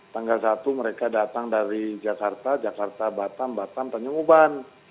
tanggal satu mereka datang dari jakarta jakarta batam batam tanjung uban